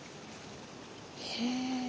へえ。